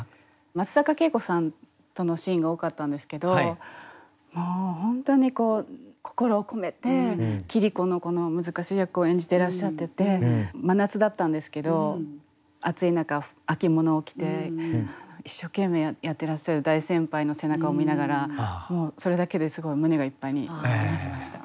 松坂慶子さんとのシーンが多かったんですけどもう本当にこう心を込めて桐子のこの難しい役を演じてらっしゃってて真夏だったんですけど暑い中秋物を着て一生懸命やってらっしゃる大先輩の背中を見ながらもうそれだけですごい胸がいっぱいになりました。